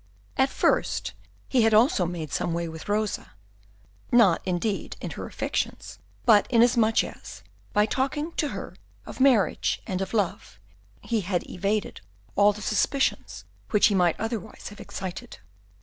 At first he had also made some way with Rosa; not, indeed, in her affections, but inasmuch as, by talking to her of marriage and of love, he had evaded all the suspicions which he might otherwise have excited.